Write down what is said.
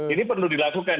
ini perlu dilakukan